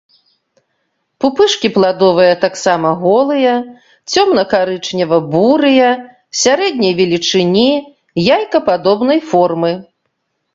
Пупышкі пладовыя таксама голыя, цёмнакарычнева-бурыя, сярэдняй велічыні, яйкападобнай формы.